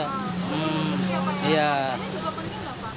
ini yang penting juga enggak pak